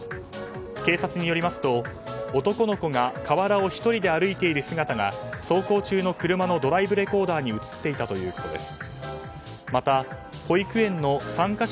警察によりますと男の子が河原を１人で歩いている姿が走行中の車のドライブレコーダーに映っていたということです。